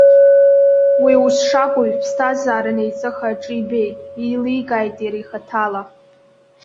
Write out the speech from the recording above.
Уи ус шакәу иԥсҭазаара неиҵых аҿы ибеит, еиликааит иара ихаҭала.